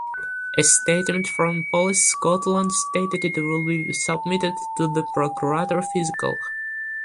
A statement from Police Scotland stated it would be submitted to the Procurator Fiscal.